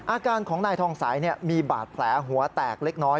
อาการของนายทองสัยมีบาดแผลหัวแตกเล็กน้อย